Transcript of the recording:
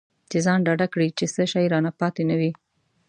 چې ځان ډاډه کړي چې څه شی رانه پاتې نه وي.